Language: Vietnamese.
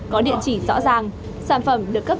có địa chỉ rõ ràng sản phẩm được cấp